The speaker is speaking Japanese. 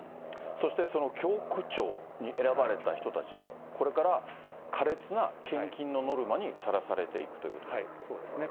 そしてその教区長に選ばれた人たちは、これからかれつな献金のノルマにさらされていくということですかはい、そうですね。